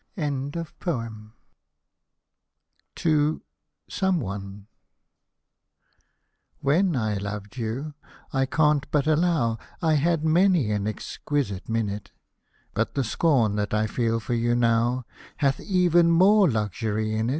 TO When I loved you, I can't but allow I had many an exquisite minute ; But the scorn that I feel for you now Hath even more luxury in it.